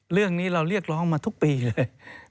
เรื่องนี้เราเรียกร้องมาทุกปีเลย